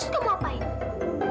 terus kamu ngapain